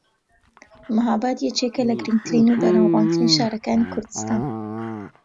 مەھاباد یەکێکە لە گرنگترین و بەناوبانگترین شارەکانی کوردستان